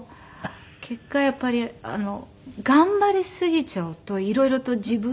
結果やっぱり頑張りすぎちゃうと色々と自分。